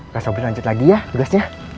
kak sobri lanjut lagi ya tugasnya